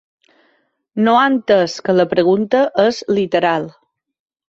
No ha entès que la pregunta és literal.